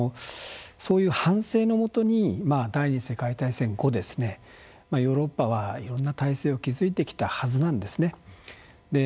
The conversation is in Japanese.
そういう反省のもとに第２次世界大戦後ヨーロッパはいろんな態勢を築いてきたはずなんですね。